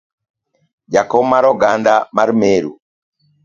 Jakom mar oganda ma Meru,